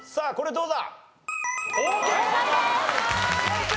どうだ？